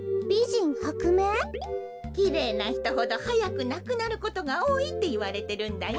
きれいなひとほどはやくなくなることがおおいっていわれてるんだよ。